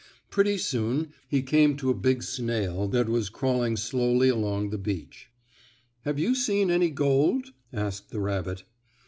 Pretty soon he came to a big snail that was crawling slowly along the beach. "Have you seen any gold?" asked the rabbit.